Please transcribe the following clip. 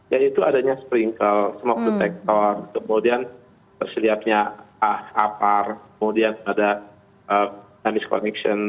yaitu adanya sprinkle smoke detector kemudian terselidikannya apar kemudian ada damage connection